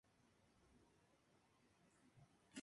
Los personajes debaten sobre la moralidad de entregar a Jack.